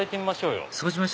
よし。